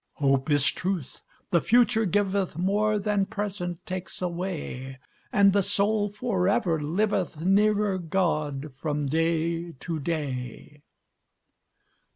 Hope is truth, the future giveth More than present takes away, And the soul forever liveth Nearer God from day to day."